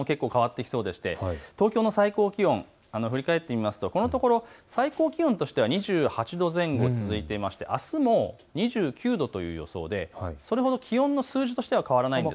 体感も変わってきそうでして、東京の最高気温、振り返ってみますとこのところ最高気温としては２８度前後が続いていまして、あすも２９度という予想でそれほど気温の数字としては変わりません。